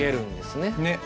ねっ。